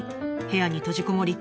部屋に閉じこもり